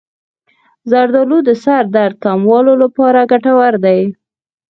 زردآلو د سر درد کمولو لپاره ګټور دي.